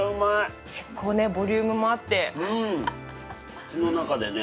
口の中でね